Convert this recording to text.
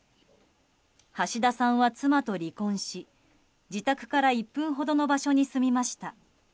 橋田さんは妻と離婚し自宅から１分ほどの場所に住みました。